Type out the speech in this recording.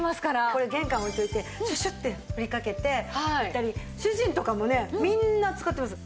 これ玄関置いておいてシュシュッて振りかけていったり主人とかもねみんな使ってます。